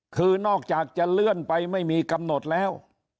คือนอกจากจะเลื่อนไปไม่มีกำหนดแล้ว